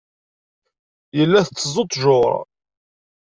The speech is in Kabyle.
Yella iteẓẓu ttjur.